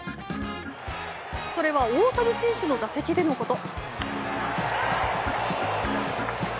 それは大谷選手の打席でのこと。